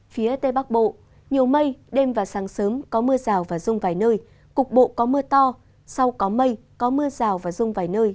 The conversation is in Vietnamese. phía tây bắc bộ nhiều mây đêm và sáng sớm có mưa rào và rông vài nơi cục bộ có mưa to sau có mây có mưa rào và rông vài nơi